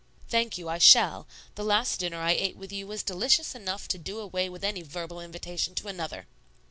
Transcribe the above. "Thank you; I shall. The last dinner I ate with you was delicious enough to do away with any verbal invitation to another."